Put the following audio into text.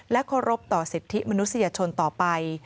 เคารพต่อสิทธิมนุษยชนต่อไป